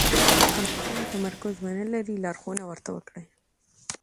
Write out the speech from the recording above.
که ماشوم تمرکز ونلري، لارښوونه ورته وکړئ.